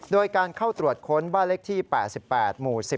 โดยการเข้าตรวจค้นบ้านเลขที่๘๘หมู่๑๐